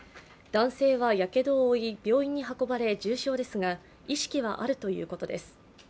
男性はやけどを負い病院に運ばれ重傷ですが意識はあるということです。